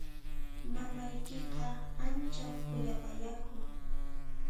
Mamaykiqa ancha khuyapayakuq.